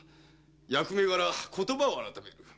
役目柄言葉を改める。